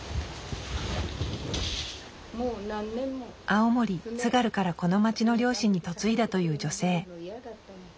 青森・津軽からこの町の漁師に嫁いだという女性。